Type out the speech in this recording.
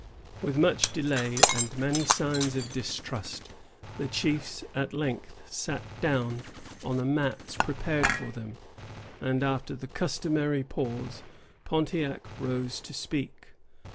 With much delay and many signs of distrust, the chiefs at length sat down on the mats prepared for them; and, after the customary pause, Pontiac rose to speak.